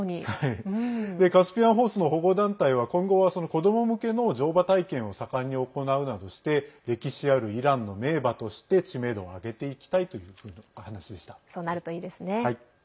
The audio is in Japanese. カスピアンホースの保護団体は今後は子ども向けの乗馬体験を盛んに行うなどして歴史あるイランの名馬として知名度を上げていきたいというそうなるといいですね。